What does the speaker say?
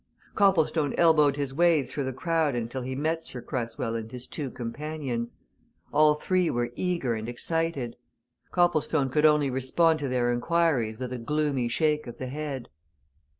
Copplestone elbowed his way through the crowd until he met Sir Cresswell and his two companions. All three were eager and excited: Copplestone could only respond to their inquiries with a gloomy shake of the head.